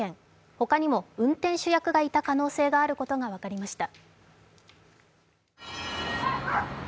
他にも運転手役がいた可能性があることが分かりました。